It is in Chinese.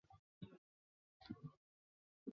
鹉川站日高本线的铁路车站。